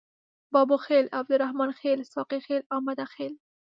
بابوخیل، عبدالرحمن خیل، ساقي خیل او مده خیل.